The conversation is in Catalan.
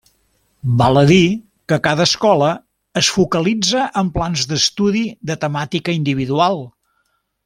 Val a dir que cada escola es focalitza en plans d'estudi de temàtica individual.